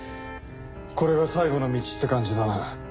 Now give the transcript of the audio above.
これが最後の道って感じだな。